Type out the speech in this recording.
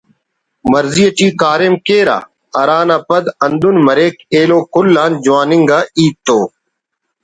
مرضی ٹی کاریم کیرہ ہرانا پد ہندن مریک ایلو کل آن جوان انگا ہیت تو